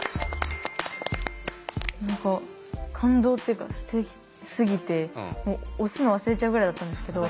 何か感動っていうかすてきすぎて押すの忘れちゃうぐらいだったんですけど。